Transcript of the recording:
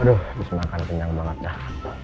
aduh habis makan kenyang banget dah